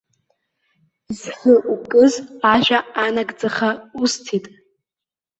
Зхы укыз ажәа анагӡаха усҭеит.